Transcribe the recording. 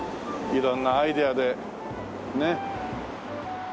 色んなアイデアでねっ。